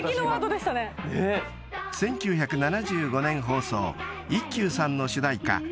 ［１９７５年放送『一休さん』の主題歌